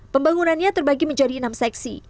pembangunannya terbagi menjadi enam seksi